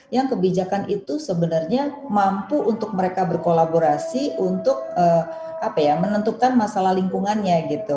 yang kebijakan itu sebenarnya mampu untuk mereka berkolaborasi untuk menentukan masalah lingkungannya gitu